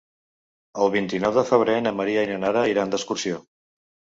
El vint-i-nou de febrer na Maria i na Nara iran d'excursió.